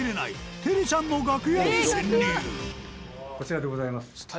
こちらでございます。